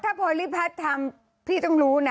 ถ้าโพลิพัสทำพี่ต้องรู้นะ